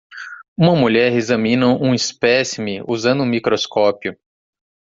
Uma mulher examina um espécime usando um microscópio